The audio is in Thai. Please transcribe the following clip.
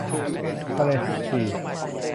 ทะเลชุกชี